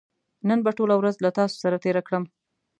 نن به ټوله ورځ له تاسو سره تېره کړم